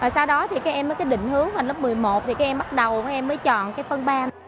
sau đó các em mới định hướng vào lớp một mươi một các em bắt đầu các em mới chọn phân ba